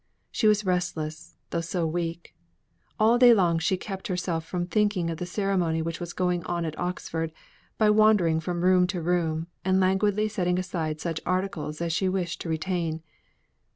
She was restless, though so weak. All the day long, she kept herself from thinking of the ceremony which was going on at Oxford, by wandering from room to room, and languidly setting aside such articles as she wished to retain.